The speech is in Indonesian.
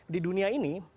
di dunia ini